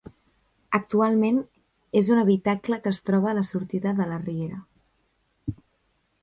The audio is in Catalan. Actualment és un habitacle que es troba a la sortida de La Riera.